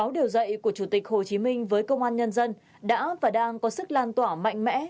sáu điều dạy của chủ tịch hồ chí minh với công an nhân dân đã và đang có sức lan tỏa mạnh mẽ